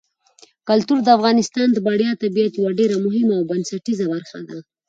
کلتور د افغانستان د بډایه طبیعت یوه ډېره مهمه او بنسټیزه برخه ده.